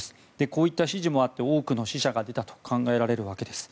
こういった指示もあって多くの死者が出たと考えられるわけです。